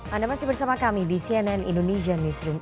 anda masih bersama kami di cnn indonesia newsroom